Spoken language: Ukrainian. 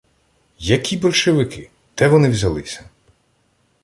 — Які большевики, де вони взялися?